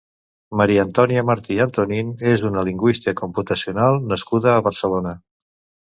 Maria Antonia Martí Antonín és una linguista computacional nascuda a Barcelona.